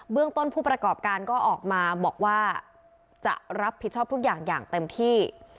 เรื่องต้นผู้ประกอบการก็ออกมาบอกว่าจะรับผิดชอบทุกอย่างอย่างเต็มที่